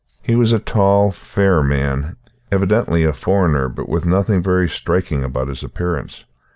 He was a tall, fair man, evidently a foreigner, but with nothing very striking about his appearance.